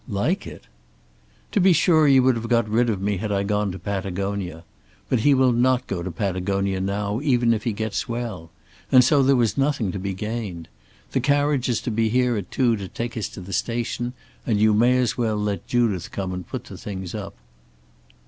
"Like it!" "To be sure you would have got rid of me had I gone to Patagonia. But he will not go to Patagonia now even if he gets well; and so there was nothing to be gained. The carriage is to be here at two to take us to the station and you may as well let Judith come and put the things up."